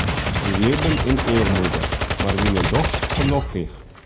Sy libben yn earmoede, mar wiene dochs gelokkich.